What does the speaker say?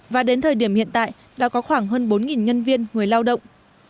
và đến thời điểm hiện tại đã có khoảng hơn bốn nhân viên người lao động